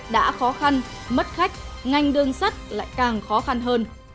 đã khó khăn mất khách ngành đường sắt lại càng khó khăn hơn